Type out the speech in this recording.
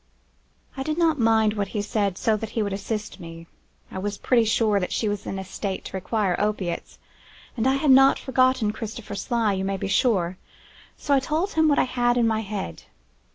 "I did not mind what he said, so that he would assist me. I was pretty sure that she was in a state to require opiates; and I had not forgotten Christopher Sly, you may be sure, so I told him what I had in my head.